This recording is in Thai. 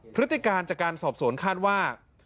พฤติการจากการสอบสวนคาดว่า